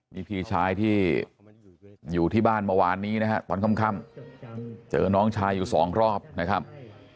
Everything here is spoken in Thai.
นี่พี่ชายที่อยู่ที่บ้านเมื่อวานนี้นะฮะตอนค่ำเจอน้องชายอยู่สองรอบนะครับ